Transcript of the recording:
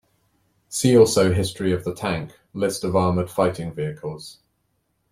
See also history of the tank, list of armoured fighting vehicles.